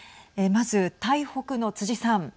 まず台北の逵さん。